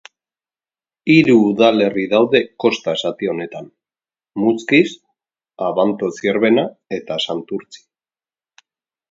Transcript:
Hiru udalerri daude kosta zati honetan: Muskiz, Abanto-Zierbena eta Santurtzi.